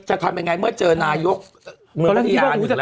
จะทำยังไงเมื่อเจอนายกเมื่อปฏิญาณหนึ่งละ